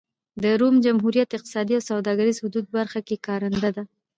د روم جمهوریت اقتصادي او سوداګریزو حدودو برخه کې کارنده ده.